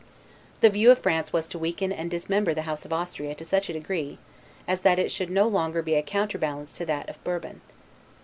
The view of France was to weaken and dismember the House of Austria to such a degree, as that it should no longer be a counterbalance to that of Bourbon.